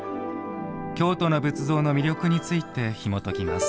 京都の仏像の魅力についてひもときます。